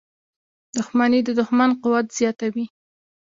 • دښمني د دوښمن قوت زیاتوي.